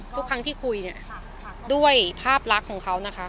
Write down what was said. ทุกครั้งที่คุยเนี่ยด้วยภาพลักษณ์ของเขานะคะ